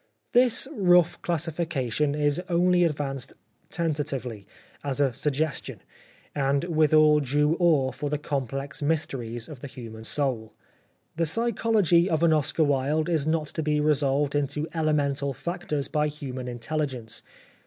This rough classification is only advanced tentatively, as a suggestion, and with all due awe for the complex mysteries of the human soul. The psychology of an Oscar Wilde is not to be resolved into elemental factors by human intelligence.